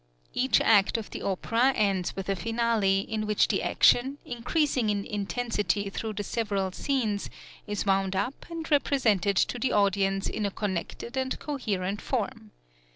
Each act of the opera ends with a finale, in which the action, increasing in intensity through the several scenes, is wound up and represented to the audience in a connected and coherent form.